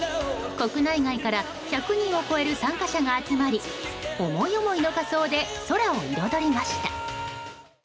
国内外から１００人を超える参加者が集まり思い思いの仮装で空を彩りました。